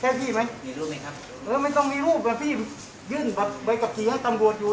ใช่พี่ไหมมีรูปไหมครับเออไม่ต้องมีรูปนะพี่ยื่นแบบไปกับเกียร์ตำบวชอยู่